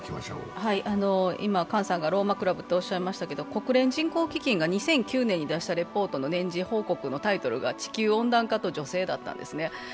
今、ローマクラブといわれましたが、国連人口基金が２００９年に出したレポートの年次報告のタイトルが「地球温暖化と女性」だったんです。